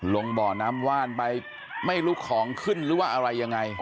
บ่อน้ำว่านไปไม่รู้ของขึ้นหรือว่าอะไรยังไง